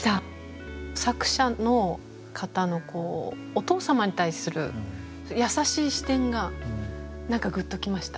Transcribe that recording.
作者の方のお父様に対する優しい視点が何かグッときました。